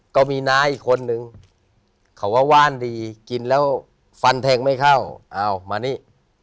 ก็มีน้าอีกคนนึงเขาว่าว่านดีกินแล้วฟันแทงไม่เข้าเอามานี่